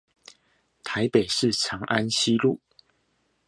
臺北市長安西路